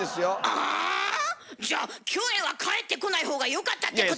あぁ⁉じゃキョエは帰ってこない方がよかったってこと